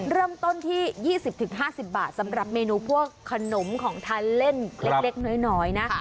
เริ่มต้นที่๒๐๕๐บาทสำหรับเมนูพวกขนมของทานเล่นเล็กน้อยนะ